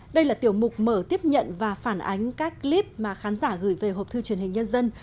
đây là tiểu mục mở tiếp nhận và phản ánh các clip mà khán giả gửi về học thư truyền hình nhân dân